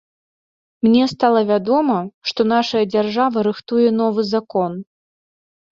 Мне стала вядома, што нашая дзяржава рыхтуе новы закон.